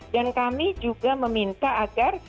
dan kami juga meminta agar